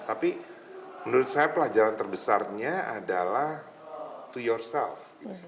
tapi menurut saya pelajaran terbesarnya adalah to yourself